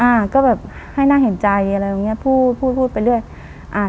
อ่าก็แบบให้น่าเห็นใจอะไรอย่างเงี้พูดพูดพูดไปเรื่อยอ่า